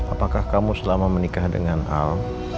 apakah kamu selama menikah dengan al